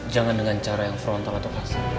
jangan dengan cara yang frontal atau kasih